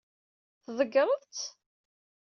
Tḍeggṛeḍ-tt?